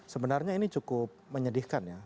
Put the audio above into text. sebenarnya ini cukup menyedihkan ya